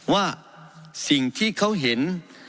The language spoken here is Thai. ว่าสิ่งที่เขาเห็น